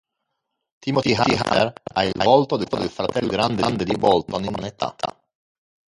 Timothy Hunter ha il volto del fratello più grande di Bolton in giovane età.